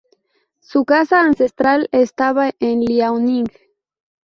Su casa ancestral estaba en Liaoning.